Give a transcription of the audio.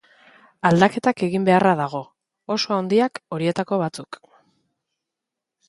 Aldaketak egin beharra dago, oso handiak horietako batzuk.